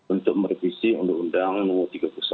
untuk merevisi undang undang nomor tiga puluh satu